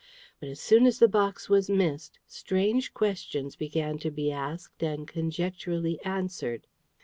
But as soon as the box was missed strange questions began to be asked and conjecturally answered.